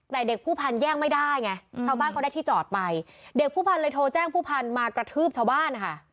แต่เด็กผู้พันธแย่งไม่ได้ไงชาวบ้านเขาได้ที่จอดไปเด็กผู้พันเลยโทรแจ้งผู้พันธุ์มากระทืบชาวบ้านนะคะ